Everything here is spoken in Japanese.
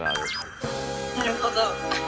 なるほど。